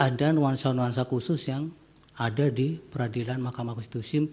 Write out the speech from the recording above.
ada nuansa nuansa khusus yang ada di peradilan mahkamah konstitusi